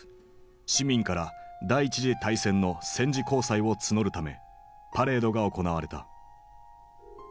市民から第一次大戦の戦時公債を募るためパレードが行われた。